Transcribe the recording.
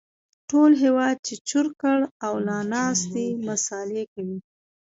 ټول هېواد يې چور کړ او لا ناست دی مسالې کوي